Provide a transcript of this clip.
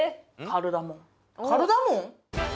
カルダモン？